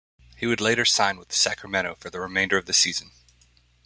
He would later sign with Sacramento for the remainder of the season.